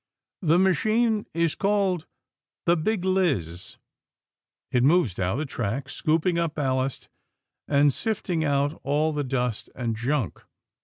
The machine is called the Big Liz. It moves down the track, scooping up ballast and sifting out all the dust and junk.